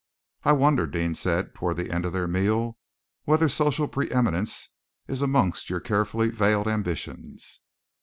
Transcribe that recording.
"I wonder," Deane said, toward the end of their meal, "whether social preëminence is amongst your carefully veiled ambitions."